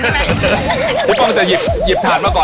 ผู้เพื่อนร่วมจะหยิบถันมาก่อน